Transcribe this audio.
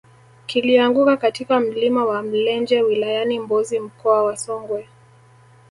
kilianguka katika mlima wa mlenje wilayani mbozi mkoa wa songwe